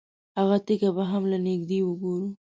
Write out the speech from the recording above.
هغه تیږه به هم له نږدې وګورو.